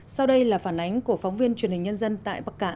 sau đây là phản ánh của phóng viên truyền hình nhân dân tại bắc cạn